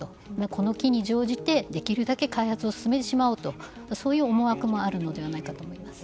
この機に乗じてできるだけ開発を進めてしまおうというそういう思惑もあるのではないかと思います。